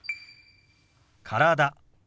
「体」。